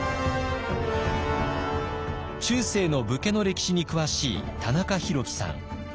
中世の武家の歴史に詳しい田中大喜さん。